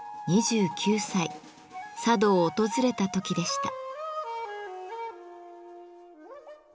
佐渡を訪れた時でした。